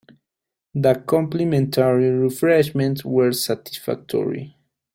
The complimentary refreshments were satisfactory.